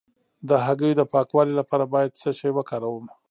د هګیو د پاکوالي لپاره باید څه شی وکاروم؟